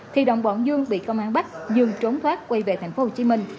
thì đồng bọn dương bị công an bắt dương trốn thoát quay về tp hcm